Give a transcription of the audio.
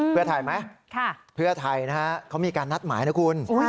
เพื่อไทยไหมเพื่อไทยนะฮะเขามีการนัดหมายนะคุณ